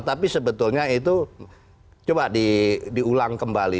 tapi sebetulnya itu coba diulang kembali